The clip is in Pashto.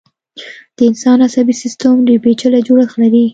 د انسان عصبي سيستم ډېر پيچلی جوړښت لري.